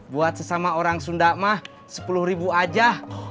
buat sesama orang sunda mah sepuluh ribu aja